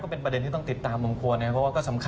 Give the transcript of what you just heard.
เป็นประเด็นที่ต้องติดตามบางคนนะครับเพราะว่าก็สำคัญ